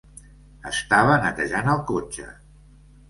Estava netejant el cotxe.